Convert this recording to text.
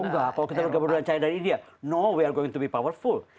oh enggak kalau kita bergabung dengan china dan india no we are going to be powerful